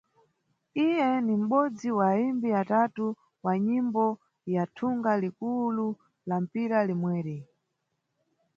Iye ni mʼbodzi wa ayimbi atatu wa nyimbo ya thunga likulu la mpira limweri.